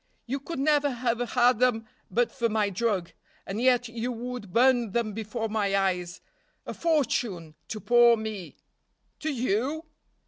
You could never have had them but for my drug. And yet you would burn them before my eyes. A fortune to poor me." "To you?"